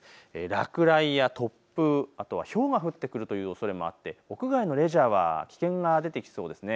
落雷や突風、あとはひょうが降ってくるというおそれもあって屋外のレジャーは危険が出てきそうですね。